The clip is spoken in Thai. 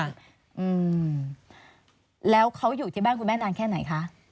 อืมแล้วเขาอยู่ที่บ้านคุณแม่นานแค่ไหนคะ